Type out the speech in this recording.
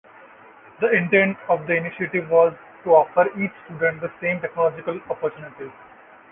The intent of the initiative was to offer each student the same technological opportunities.